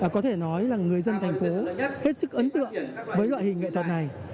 có thể nói là người dân thành phố hết sức ấn tượng với loại hình nghệ thuật này